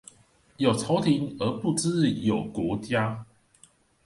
有朝廷而不知有國家